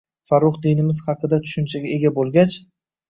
Farrux dinimiz haqida tushunchaga ega bo‘lgach